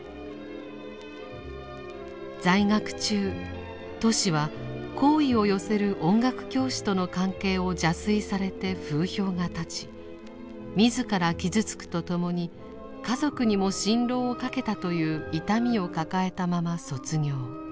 在学中トシは好意を寄せる音楽教師との関係を邪推されて風評が立ち自ら傷つくとともに家族にも心労をかけたという痛みを抱えたまま卒業。